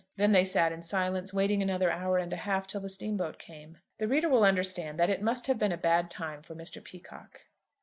Then they sat in silence, waiting another hour and a half till the steamboat came. The reader will understand that it must have been a bad time for Mr. Peacocke.